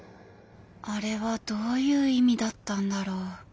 あれはどういう意味だったんだろう